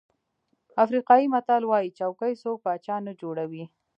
افریقایي متل وایي چوکۍ څوک پاچا نه جوړوي.